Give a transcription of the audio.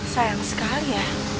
sayang sekali ya